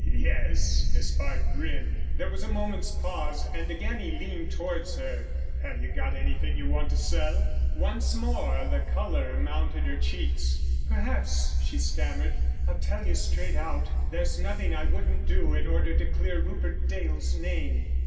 "Yes," Despard grinned. There was a moment's pause, and again he leaned towards her. "Have you anything you want to sell?" Once more the colour mounted her cheeks. "Perhaps," she stammered. "I'll tell you straight out. There's nothing I wouldn't do in order to clear Rupert Dale's name."